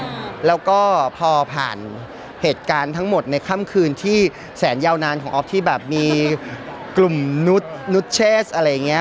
แล้วก็พอผ่านเหตุการณ์ทั้งหมดในค่ำคืนที่แสนยาวนานของออฟที่แบบมีกลุ่มนุษย์นุชเชสอะไรอย่างเงี้